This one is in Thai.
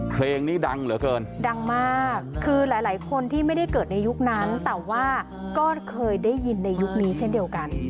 เพลงนี้ดังเหลือเกินดังมากคือหลายคนที่ไม่ได้เกิดในยุคนั้นแต่ว่าก็เคยได้ยินในยุคนี้เช่นเดียวกัน